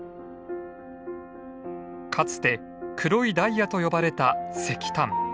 かつて黒いダイヤと呼ばれた石炭。